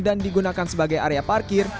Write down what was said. dan digunakan sebagai area parkir